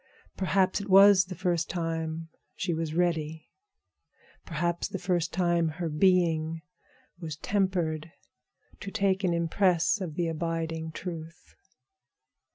Perhaps it was the first time she was ready, perhaps the first time her being was tempered to take an impress of the abiding truth.